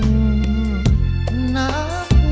ไม่ใช้